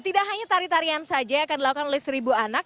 tidak hanya tarian tarian saja yang akan dilakukan oleh seribu anak